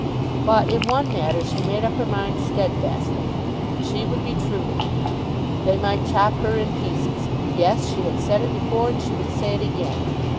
But in one matter she made up her mind steadfastly. She would be true to him! They might chop her in pieces! Yes; she had said it before, and she would say it again.